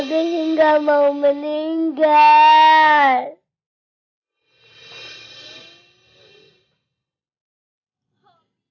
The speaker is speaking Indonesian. bagus gak mau meninggal